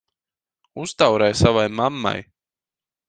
Uztaurē savai mammai!